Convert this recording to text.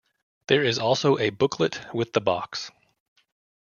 There is also a booklet with the box.